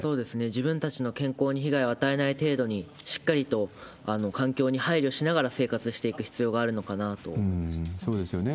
自分たちの健康に被害を与えない程度に、しっかりと環境に配慮しながら生活していく必要があるのかなと思そうですよね。